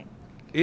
え？